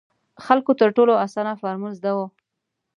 خلکو تر ټولو اسانه فارمول زده وو.